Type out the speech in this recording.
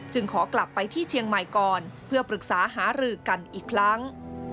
ขอกลับไปที่เชียงใหม่ก่อนเพื่อปรึกษาหารือกันอีกครั้ง